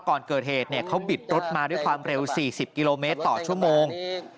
ก่อนเกิดเหตุเขาบิดรถมาด้วยความเร็ว๔๐กิโลเมตรต่อชั่วโมง